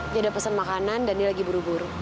dia udah pesan makanan dan dia lagi buru buru